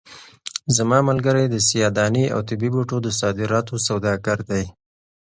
زما ملګری د سیاه دانې او طبي بوټو د صادراتو سوداګر دی.